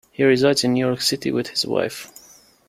He resides in New York City with his wife.